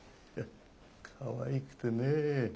かわいくてねえ。